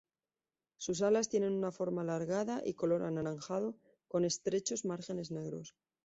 Sus alas tienen una forma alargada y color anaranjado con estrechos márgenes negros.